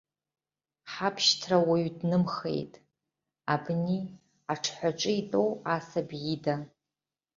Ҳабшьҭра уаҩы днымхеит, абни, аҽҳәаҿы итәоу асаби ида.